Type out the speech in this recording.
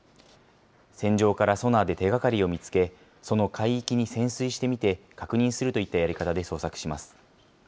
船上からソナーで手がかりを見つけ、その海域に潜水してみて確認するといったやり方で捜索します。